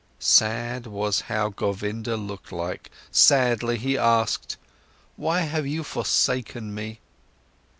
Sad was how Govinda looked like, sadly he asked: Why have you forsaken me?